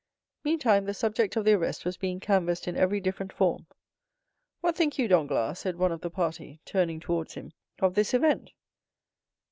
Meantime the subject of the arrest was being canvassed in every different form. "What think you, Danglars," said one of the party, turning towards him, "of this event?"